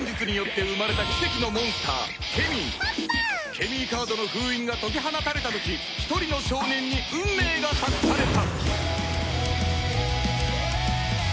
ケミーカードの封印が解き放たれた時一人の少年に運命が託された